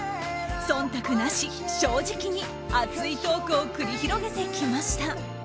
忖度なし、正直に熱いトークを繰り広げてきました。